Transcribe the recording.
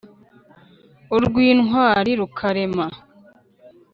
Urw’intwari rukarema;